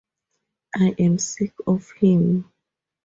I am sick of him.